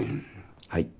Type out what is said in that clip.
はい。